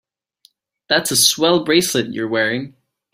That's a swell bracelet you're wearing.